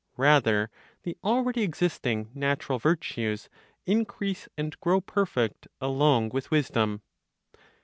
Rather, the already existing natural virtues increase and grow perfect along with wisdom.